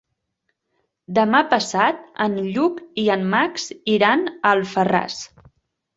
Demà passat en Lluc i en Max iran a Alfarràs.